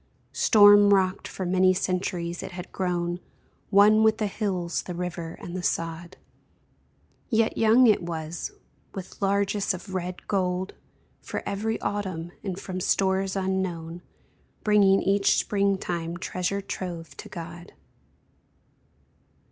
Storm rocked for many centuries, it had grown One with the hills, the river and the sod ; Yet young it was, with largess of red gold For every autumn, and from stores unknown Bringing each springtime treasure trove to God.